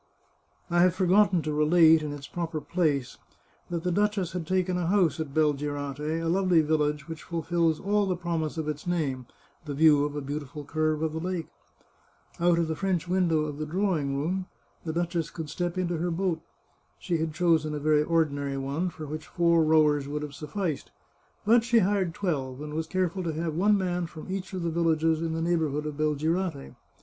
I have forgotten to relate, in its proper place, that the duchess had taken a house at Belgirate, a lovely village which fulfils all the promise of its name (the view of a beau tiful curve of the lake). Out of the French window of the drawing room, the duchess could step into her boat. She had chosen a very ordinary one, for which four rowers would have sufficed, but she hired twelve, and was careful to have one man from each of the villages in the neighbour hood of Belgirate.